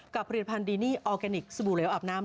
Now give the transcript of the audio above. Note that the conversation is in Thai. ผลิตภัณฑ์ดีนี่ออร์แกนิคสบู่เหลวอาบน้ำ